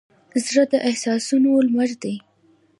زړه د احساسونو لمر دی.